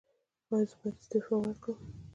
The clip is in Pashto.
ایا زه باید استعفا ورکړم؟